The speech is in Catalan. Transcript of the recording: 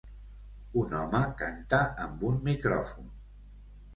Un home canta amb un micròfon.